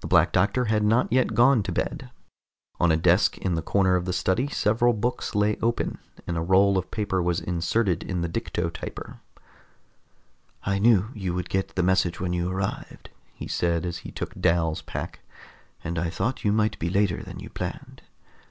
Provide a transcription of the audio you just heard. The Black Doctor had not yet gone to bed. On a desk in the corner of the study several books lay open, and a roll of paper was inserted in the dicto typer. "I knew you would get the message when you arrived," he said as he took Dal's pack, "and I thought you might be later than you planned.